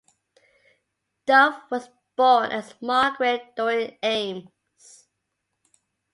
Duff was born as Margaret Doreen Eames.